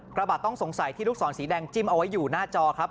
กระบะต้องสงสัยที่ลูกศรสีแดงจิ้มเอาไว้อยู่หน้าจอครับ